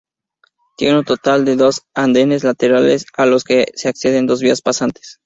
Tiene un total de dos andenes laterales a los que acceden dos vías pasantes.